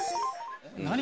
何？